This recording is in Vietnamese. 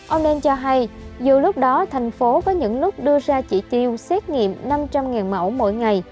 ông nên cho hay dù lúc đó thành phố có những lúc đưa ra chỉ tiêu xét nghiệm năm trăm linh mẫu mỗi ngày